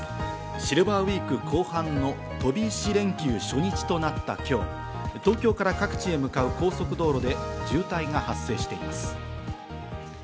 シルバーウイーク後半の飛び石連休初日となった今日、東京から各地へ向かう高速道路で渋滞が発生しています。